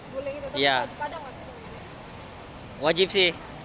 guling itu wajib ada nggak sih